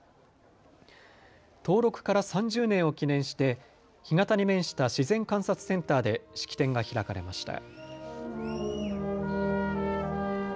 登録から３０年を記念して干潟に面した自然観察センターで式典が開かれました。